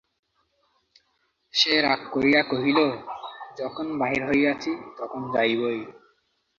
সে রাগ করিয়া কহিল, যখন বাহির হইয়াছি, তখন যাইবই।